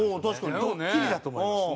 ドッキリだと思いました。